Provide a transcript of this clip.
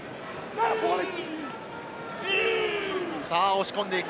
押し込んでいく。